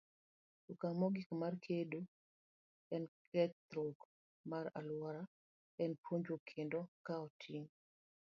Okang' mogik mar kedo gi kethruok mar alwora en puonjruok kendo kawo ting'.